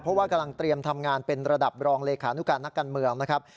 เพราะว่ากำลังเตรียมทำงานเป็นระดับรองเลขานุการนักการเมืองนะครับ